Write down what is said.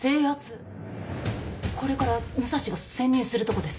これから武蔵が潜入するとこです。